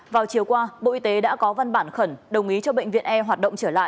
vào chiều qua bộ y tế đã có văn bản khẩn đồng ý cho bệnh viện e hoạt động trở lại